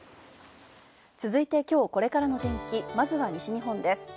続いて今日これからの天気、まずは西日本です。